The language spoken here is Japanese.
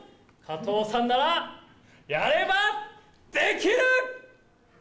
加藤さんならやればできる！